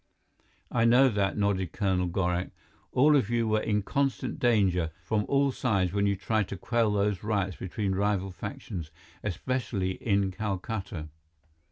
"I know that," nodded Colonel Gorak. "All of you were in constant danger from all sides when you tried to quell those riots between rival factions, especially in Calcutta."